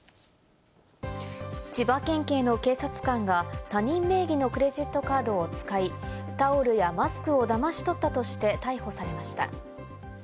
千葉県警の警察官が、他人名義のクレジットカードを使い、タオルやマスクをだまし取ったとして逮捕されました。